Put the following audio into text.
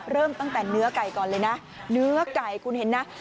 เริ่มตั้งแต่เนื้อไก่ก่อนเลยนะเนื้อไก่คุณเห็นนะ